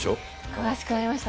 詳しくなりました。